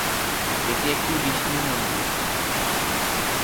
এটি একটি বিষ্ণু মন্দির।